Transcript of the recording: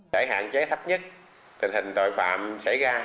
để hạn chế thấp nhất tình hình tội phạm xảy ra